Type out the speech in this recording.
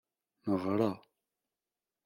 Neɣṛa.